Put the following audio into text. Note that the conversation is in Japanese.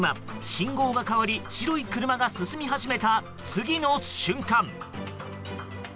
信号が変わり白い車が進み始めた次の瞬間。